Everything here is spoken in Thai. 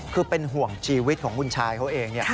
คือเป็นห่วงชีวิตของคุณชายเขาเอง